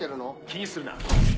気にするな。